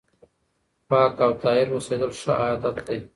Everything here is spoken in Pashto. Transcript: پاک او طاهر اوسېدل ښه عادت دی.